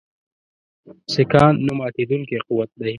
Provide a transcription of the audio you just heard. سیکهان نه ماتېدونکی قوت دی.